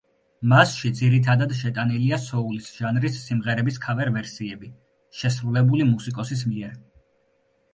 მასში ძირითადად შეტანილია სოულის ჟანრის სიმღერების ქავერ-ვერსიები, შესრულებული მუსიკოსის მიერ.